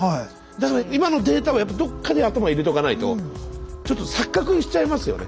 だから今のデータはやっぱどっかに頭入れとかないとちょっと錯覚しちゃいますよね。